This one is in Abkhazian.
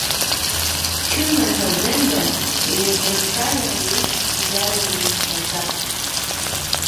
Чыма ифазенда еиӷрыкка, иара иеиԥш иагаҩ ҩнаӡап.